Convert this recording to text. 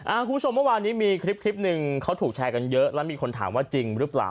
คุณผู้ชมเมื่อวานนี้มีคลิปคลิปหนึ่งเขาถูกแชร์กันเยอะแล้วมีคนถามว่าจริงหรือเปล่า